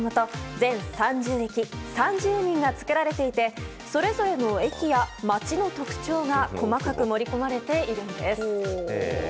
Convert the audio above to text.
全３０駅、３０人が作られていてそれぞれの駅や街の特徴が細かく盛り込まれているんです。